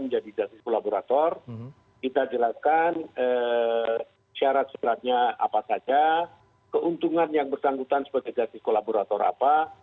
jadi justice kolaborator kita jelaskan syarat syaratnya apa saja keuntungan yang bersangkutan sebagai justice kolaborator apa